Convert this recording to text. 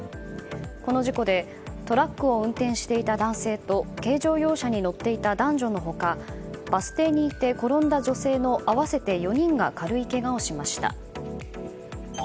この事故でトラックを運転していた男性と軽乗用車に乗っていた男女の他バス停にいて転んだ女性の合わせて４人が軽いけがをしました。